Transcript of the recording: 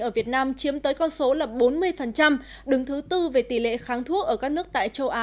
ở việt nam chiếm tới con số là bốn mươi đứng thứ tư về tỷ lệ kháng thuốc ở các nước tại châu á